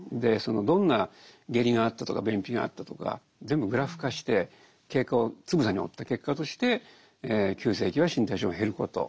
どんな下痢があったとか便秘があったとか全部グラフ化して経過をつぶさに追った結果として急性期は身体症状が減ること